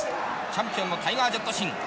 チャンピオンのタイガー・ジェットシン。